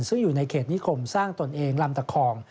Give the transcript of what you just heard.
ซึ่งอยู่ในเขตนิคมสร้างตนเองลำตะคอง